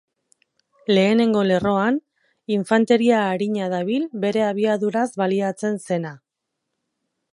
Lehenengo lerroan, infanteria arina dabil bere abiaduraz baliatzen zena.